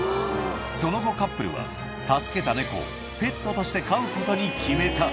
その後、カップルは助けた猫をペットとして飼うことに決めた。